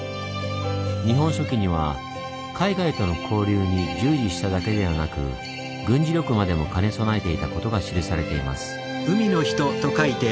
「日本書紀」には海外との交流に従事しただけではなく軍事力までも兼ね備えていたことが記されています。